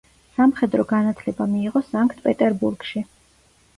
სამხედრო განათლება მიიღო სანქტ-პეტერბურგში.